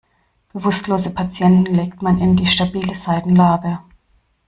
Bewusstlose Patienten legt man in die stabile Seitenlage.